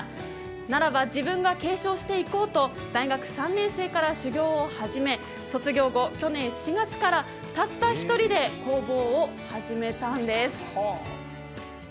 ならば自分が継承していこうと大学３年生から修業を始め、卒業後、去年４月からたった１人で工房を始めたんです。